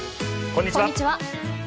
こんにちは。